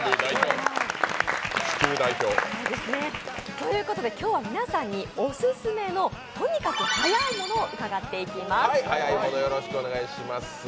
ということで、今日は皆さんにオススメのとにかくはやいものを伺っていきます。